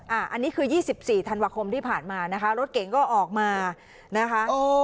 อ่าอันนี้คือยี่สิบสี่ธันวาคมที่ผ่านมานะคะรถเก๋งก็ออกมานะคะโอ้